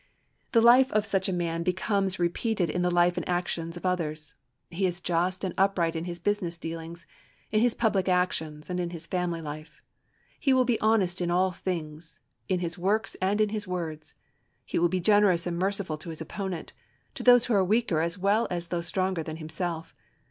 The life of such a man becomes repeated in the life and actions of others. He is just and upright in his business dealings, in his public actions, and in his family life. He will be honest in all things—in his works and in his words. He will be generous and merciful to his opponent—to those who are weaker as well as those stronger than himself.